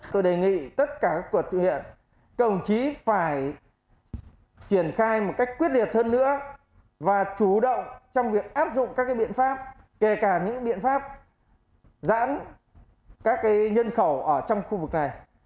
tôi đề nghị tất cả các cuộc diễn hiện công chí phải triển khai một cách quyết liệt hơn nữa và chủ động trong việc áp dụng các biện pháp kể cả những biện pháp giãn các nhân khẩu ở trong khu vực này